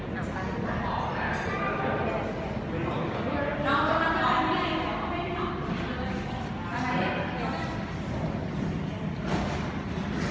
น้องต้องกำลังกลับมาเนี่ยโอเคหรือหรือเปล่า